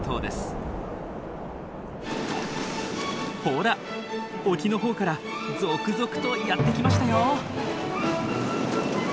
ほら沖のほうから続々とやって来ましたよ。